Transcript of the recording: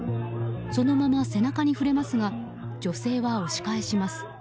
そのまま背中に触れますが女性は押し返します。